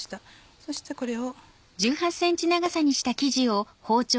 そしてこれを。